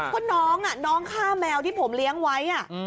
เพราะน้องน้องฆ่าแมวที่ผมเลี้ยงไว้